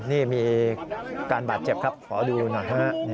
นี่มีการบาดเจ็บครับขอดูหน่อยฮะ